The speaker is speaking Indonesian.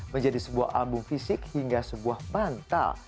menjadi sebuah album fisik hingga sebuah bantal